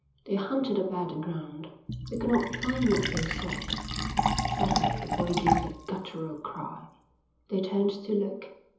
They hunted about the ground, but could not find what they sought. Suddenly the boy gave a guttural cry. They turned to look.